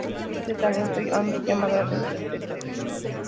Los "Días de talento" han llamado la atención de todo el mundo.